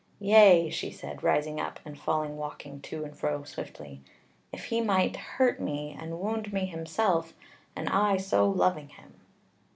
Yea," she said, rising up and falling walking to and fro swiftly, "if he might hurt me and wound me himself, and I so loving him."